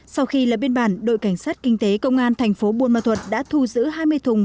sau khi lập biên bản đội cảnh sát kinh tế công an thành phố buôn ma thuật đã thu giữ hai mươi thùng